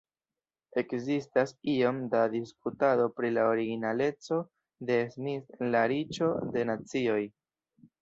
Ekzistas iom da diskutado pri la originaleco de Smith en La Riĉo de Nacioj.